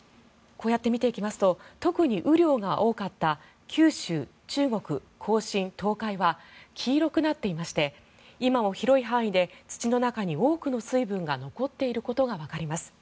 こうやって見ていきますと特に雨量が多かった九州、中国、甲信、東海は黄色くなっていまして今も広い範囲で土の中に多くの水分が残っていることがわかります。